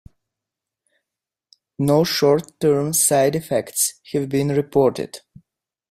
No short-term side effects have been reported.